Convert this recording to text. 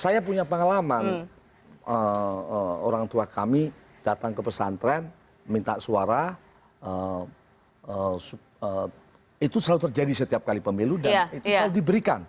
saya punya pengalaman orang tua kami datang ke pesantren minta suara itu selalu terjadi setiap kali pemilu dan itu selalu diberikan